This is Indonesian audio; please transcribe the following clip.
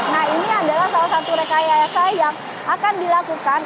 nah ini adalah salah satu rekayasa yang akan dilakukan